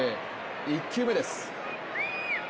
１球目です。